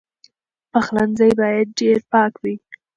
پخلنځی باید ډېر پاک وي.